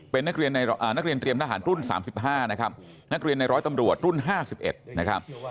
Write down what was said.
เป็นนักเรียนเตรียมทหารรุ่น๓๕นะครับนักเรียนในร้อยตำรวจรุ่น๕๑นะครับ